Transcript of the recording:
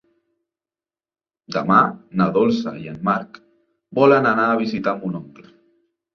Demà na Dolça i en Marc volen anar a visitar mon oncle.